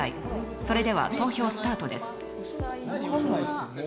それでは投票スタートです。